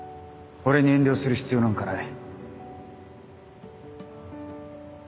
俺に遠慮する必要なんかない。